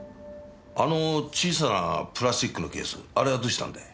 あの小さなプラスチックのケースあれはどうしたんだい？